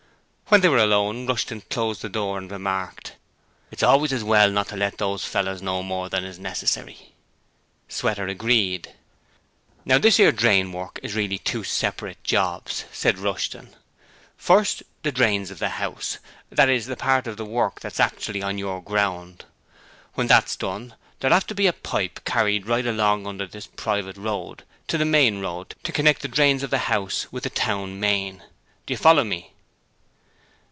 When they were alone, Rushton closed the door and remarked: 'It's always as well not to let these fellows know more than is necessary.' Sweater agreed. 'Now this 'ere drain work is really two separate jobs,' said Rushton. 'First, the drains of the house: that is, the part of the work that' actually on your ground. When that's done, there will 'ave to be a pipe carried right along under this private road to the main road to connect the drains of the house with the town main. You follow me?'